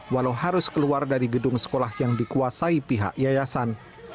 walau harus keluar dari gedung sekolah yang dikuasai pihak yayasan